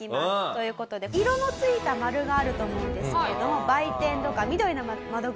という事で色の付いた丸があると思うんですけれども売店とかみどりの窓口